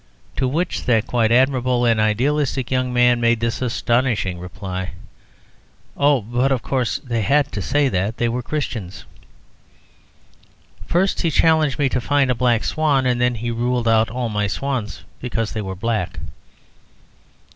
To which that quite admirable and idealistic young man made this astonishing reply "Oh, but of course they had to say that; they were Christians." First he challenged me to find a black swan, and then he ruled out all my swans because they were black.